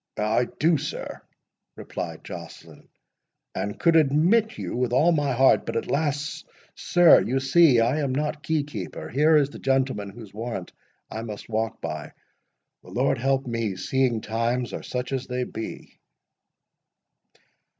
"I do, sir," replied Joceline, "and could admit you with all my heart; but, alas! sir, you see I am not key keeper—Here is the gentleman whose warrant I must walk by—The Lord help me, seeing times are such as they be!"